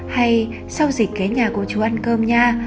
hay sau dịch ghé nhà của chú ăn cơm nha